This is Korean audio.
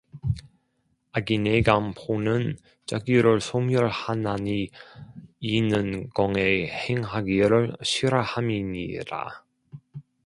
악인의 강포는 자기를 소멸하나니 이는 공의 행하기를 싫어함이니라